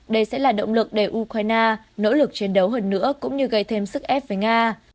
đây sẽ là động lực để ukraine nỗ lực chiến đấu hơn nữa cũng như gây thêm sức ép với nga